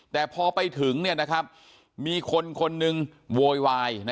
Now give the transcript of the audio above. แต่พอไปถึงมีคนคนหนึ่งโวยวาย